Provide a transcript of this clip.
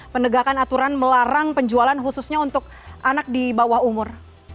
penegakan aturan melarang penjualan khususnya untuk anak di bawah umur